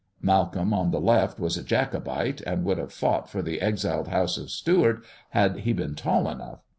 Malcolm, on the left, was a Jacobite, and would have fought for the exiled House of Stewart had he been tall enough.